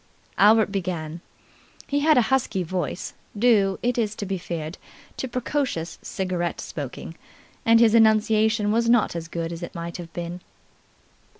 Albert began. He had a husky voice, due, it is to be feared, to precocious cigarette smoking, and his enunciation was not as good as it might have been.